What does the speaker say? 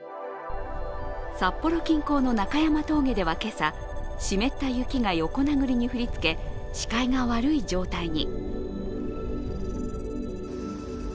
札幌近郊の中山峠ではけさ、湿った雪が横殴りに降りつけ視界が悪い状態に。